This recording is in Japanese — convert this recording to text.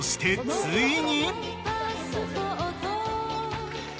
［ついに］